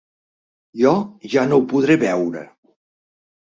Jo ja no ho podré veure!